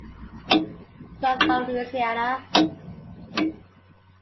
Long of Louisiana.